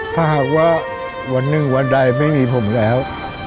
ถ้าหากว่าวันหนึ่งวันใดไม่มีผมแล้ว